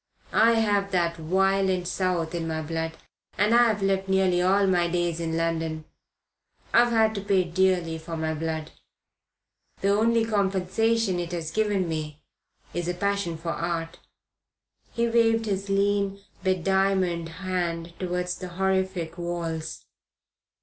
I have that violent South in my blood, and I've lived nearly all my days in London. I've had to pay dearly for my blood. The only compensation it has given me is a passion for art" he waved his lean, bediamonded hand towards the horrific walls.